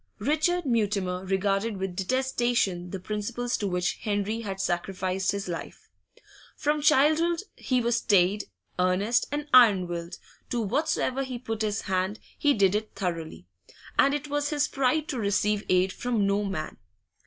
Richard Mutimer regarded with detestation the principles to which Henry had sacrificed his life. From childhood he was staid, earnest, and iron willed; to whatsoever he put his hand, he did it thoroughly, and it was his pride to receive aid from no man.